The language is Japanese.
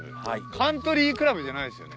カントリークラブじゃないですよね？